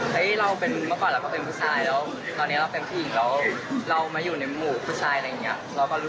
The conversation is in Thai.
เต้นเต้นได้ไหมวันนั้นเต้นเต้นครับ